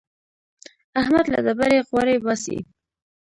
احمد له ډبرې غوړي باسي.